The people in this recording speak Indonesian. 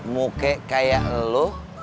mungkin kayak lu